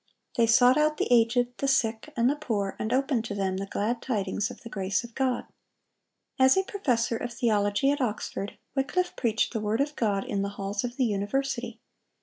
They sought out the aged, the sick, and the poor, and opened to them the glad tidings of the grace of God. As a professor of theology at Oxford, Wycliffe preached the word of God in the halls of the university.